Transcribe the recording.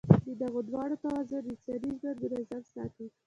د دغو دواړو توازن انساني ژوند منظم ساتي.